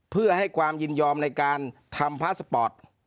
เพื่อให้ความยินยอมในการทำพาสปอร์ต